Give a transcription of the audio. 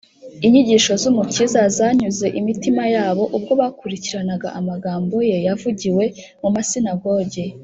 inyigisho z’umukiza zanyuze imitima yabo ubwo bakurikiranaga amagambo ye yavugiwe mu masinagogi,